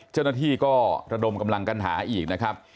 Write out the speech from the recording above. เจ้าหน้าที่ก็ระดมกำลังกันหาอีกนะครับ